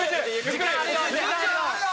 時間あるよ